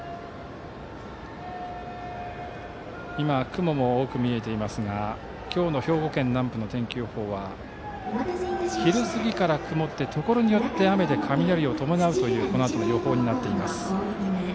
今、雲も多く見えていますが今日の兵庫県南部の天気予報は昼過ぎから曇ってところによって雨で雷を伴うというこのあとの予報です。